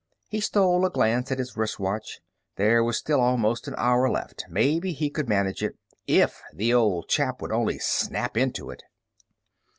He stole a glance at his wrist watch. There was still almost an hour left. Maybe he could manage it. If the old chap would only snap into it!